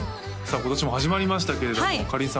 今年も始まりましたけれどもかりんさん